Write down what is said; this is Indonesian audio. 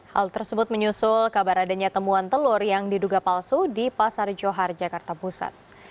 hal tersebut menyusul kabar adanya temuan telur yang diduga palsu di pasar johar jakarta pusat